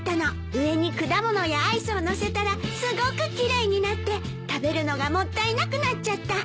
上に果物やアイスを載せたらすごく奇麗になって食べるのがもったいなくなっちゃった。